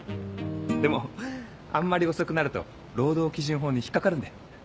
でもあんまり遅くなると労働基準法に引っ掛かるんで。